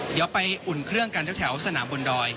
เดี๋ยวไปอุ่นเครื่องกันแถวสนามบนดอย